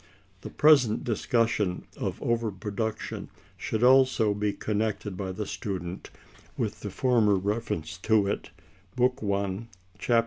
The present discussion of over production should also be connected by the student with the former reference to it, Book I, Chap.